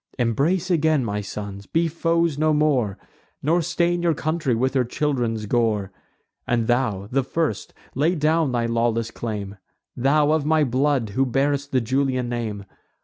Embrace again, my sons, be foes no more; Nor stain your country with her children's gore! And thou, the first, lay down thy lawless claim, Thou, of my blood, who bear'st the Julian name!